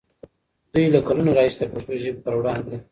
دوی له کلونو راهیسې د پښتو ژبې پر وړاندې